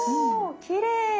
おきれい！